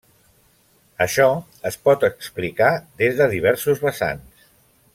Això es pot explicar des de diversos vessants.